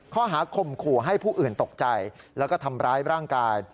ข้อหาคมขู่ให้ผู้อื่นตกใจแล้วก็ทำร้ายร่างกาย